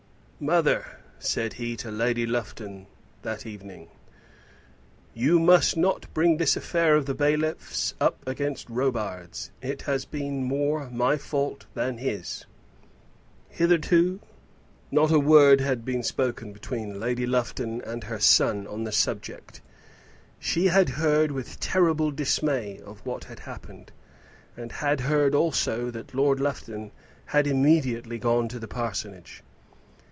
"Mother," said he to Lady Lufton that evening, "you must not bring this affair of the bailiffs up against Robarts. It has been more my fault than his." Hitherto not a word had been spoken between Lady Lufton and her son on the subject. She had heard with terrible dismay of what had happened, and had heard also that Lord Lufton had immediately gone to the parsonage.